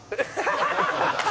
「ハハハハ！」